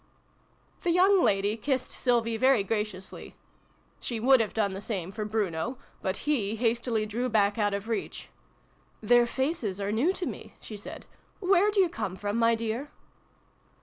The young lady kissed Sylvie very graciously. She would have done the same for Bruno, but he hastily drew back out of reach. " Their faces are new to me," she said. " Where do you come from, my dear